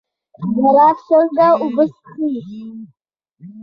زرافه څنګه اوبه څښي؟